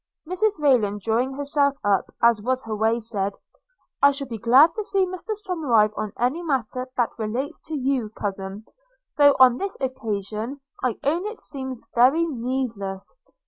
Mrs Rayland, drawing herself up, as was her way, said – 'I shall be glad to see Mr Somerive on any matter that relates to you, cousin, though on this occasion I own it seems very needless.